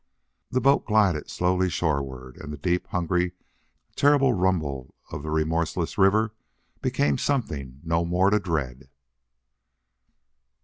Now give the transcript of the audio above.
The boat glided slowly shoreward. And the deep, hungry, terrible rumble of the remorseless river became something no more to dread.